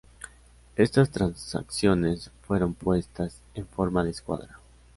Estas transacciones fueron puestas en forma de escuadra.